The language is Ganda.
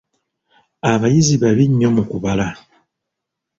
Abayizi babi nnyo mu kubala.